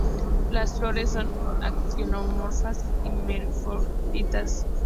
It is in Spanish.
Las flores son actinomorfas y hermafroditas.